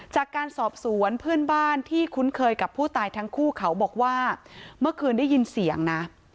จากการสอบสวนเพื่อนบ้านที่คุ้นเคยกับผู้ตายทั้งคู่เขาบอกว่าเมื่อคืนได้ยินเสียงนะ